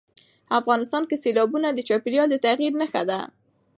افغانستان کې سیلابونه د چاپېریال د تغیر نښه ده.